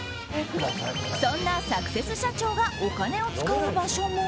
そんなサクセス社長がお金を使う場所も。